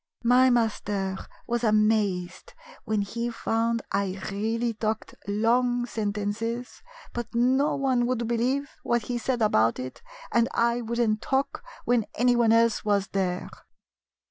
My master was amazed when he found I really talked long sentences, but no one would believe what he said about it, and I would n't talk when anyone else was there."